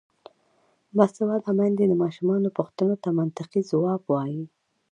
باسواده میندې د ماشومانو پوښتنو ته منطقي ځواب وايي.